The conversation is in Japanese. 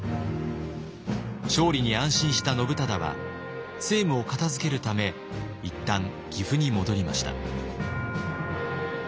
勝利に安心した信忠は政務を片づけるため一旦岐阜に戻りました。